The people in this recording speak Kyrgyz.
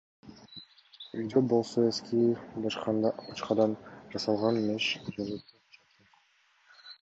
Үйдү болсо эски бочкадан жасалган меш жылытып жатты.